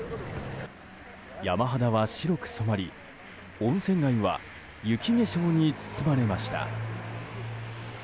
山肌は白く染まり温泉街は雪化粧に包まれました。